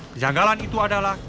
kejanggalan itu adalah